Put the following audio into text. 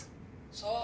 そう。